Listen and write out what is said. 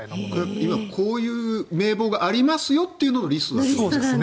今、こういう名簿がありますよというリストなんですね。